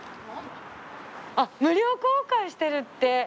あっ無料公開してるって！